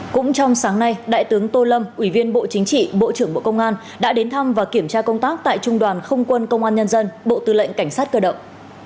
cũng trong sáng nay đại tướng tô lâm ủy viên bộ chính trị bộ trưởng bộ công an đã đến thăm và kiểm tra công tác tại trung đoàn không quân công an nhân dân bộ tư lệnh cảnh sát cơ động